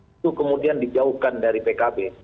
itu kemudian dijauhkan dari pkb